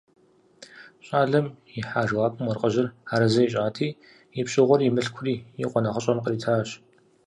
ЩӀалэм ихьа жэуапым уэркъыжьыр арэзы ищӀати, и пщыгъуэри и мылъкури и къуэ нэхъыщӀэм къритащ.